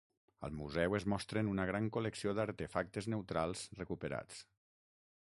Al museu es mostren una gran col·lecció d'artefactes neutrals recuperats.